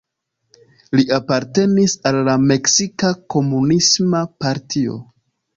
Li apartenis al la Meksika Komunisma Partio.